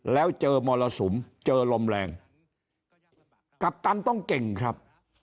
แล้วเจอมรสุมเจอลมแรงกัปตันต้องเก่งครับ